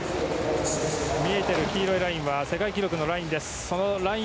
見えている黄色いラインは世界記録のライン。